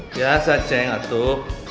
biasa ceng atuk